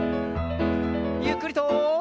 ゆっくりと。